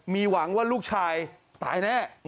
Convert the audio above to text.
มีหวังว่าลูกชายตายแน่